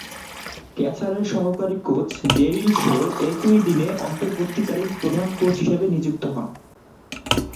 ক্যাসারের সহকারী coach Daryl Shore একই দিনে অন্তর্বর্তীকালীন প্রধান কোচ হিসেবে নিযুক্ত হন।